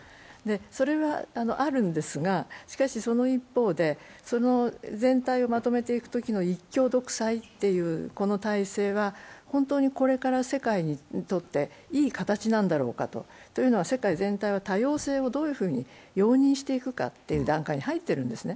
それはあるんですが、しかしその一方でその全体をまとめていくときの一強独裁というこの体制は本当にこれから世界にとっていい形なんだろうかと。というのは世界全体は多様性をどのように容認していくかに入っていくんです。